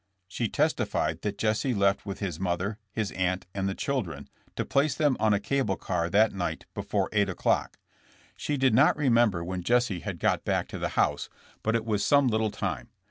She testified that Jesse left with his mother, his aunt and the children, to place them on a cable car that night before 8 o'clock. She did not remember when Jesse had got 180 JKSSK JAMES. back to the house, but it was some little time.